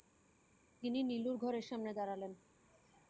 তিনি নীলুর ঘরের সামনে দাঁড়ালেন।